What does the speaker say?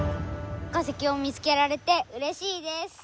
化石を見つけられてうれしいです。